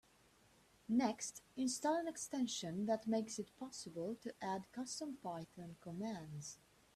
Next, install an extension that makes it possible to add custom Python commands.